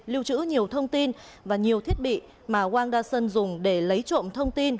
lưu trữ nhiều thông tin và nhiều thiết bị mà wang da shen dùng để lấy trộm thông tin